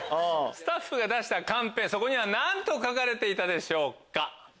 スタッフが出したカンペそこには何と書かれていたでしょうか？